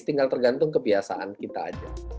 tinggal tergantung kebiasaan kita aja